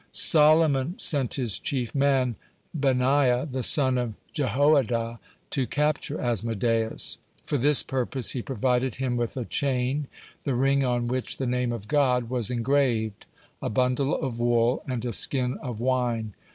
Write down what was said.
Solomon sent his chief man, Benaiah the son of Jehoiada, to capture Asmodeus. For this purpose he provided him with a chain, the ring on which the Name of God was engraved, a bundle of wool, and a skin of wine.